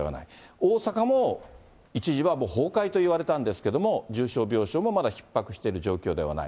大阪も一時は崩壊といわれたんですけれども、重症病床もまだひっ迫している状況ではない。